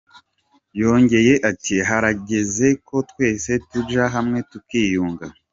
Yongeye ati: "Harageze ko twese tuja hamwe, tukiyunga.